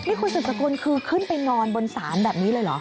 คุณสุดสกุลคือขึ้นไปนอนบนศาลแบบนี้เลยเหรอ